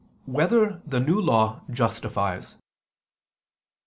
2] Whether the New Law Justifies?